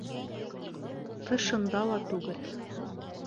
Тышында ла түгел.